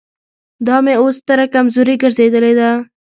دا مې اوس ستره کمزوري ګرځېدلې ده.